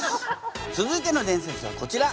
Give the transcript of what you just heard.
続いての伝説はこちら。